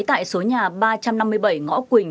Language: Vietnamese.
tại số nhà ba trăm năm mươi bảy ngõ quỳnh